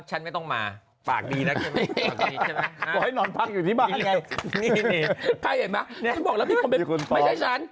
เช่นไม่ใช่ฉันฉันพูดแล้วกัน